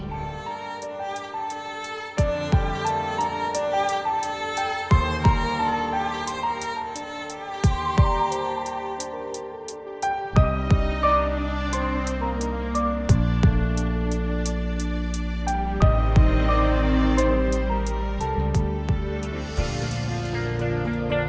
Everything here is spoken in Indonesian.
usaha untuk ter jerry